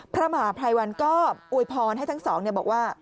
พระมหาภัยวันก็อวยพรให้ทั้งสองบอกว่า